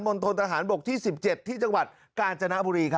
ณฑนทหารบกที่๑๗ที่จังหวัดกาญจนบุรี